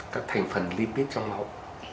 các thành phần lipid trong máu